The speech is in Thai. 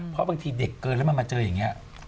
เพราะบางทีเด็กเกินแล้วมันมาเจออย่างนี้